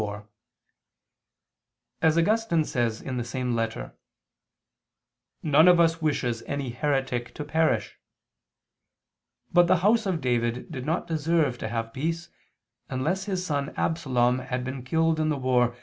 4: As Augustine says in the same letter, "none of us wishes any heretic to perish. But the house of David did not deserve to have peace, unless his son Absalom had been killed in the war which he had raised against his father.